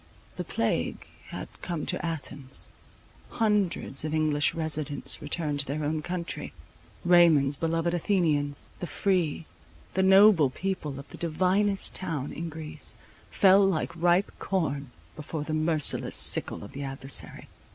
The plague had come to Athens. Hundreds of English residents returned to their own country. Raymond's beloved Athenians, the free, the noble people of the divinest town in Greece, fell like ripe corn before the merciless sickle of the adversary.